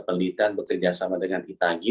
penelitian bekerjasama dengan itagi